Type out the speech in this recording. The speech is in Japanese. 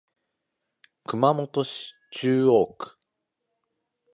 熊本市中央区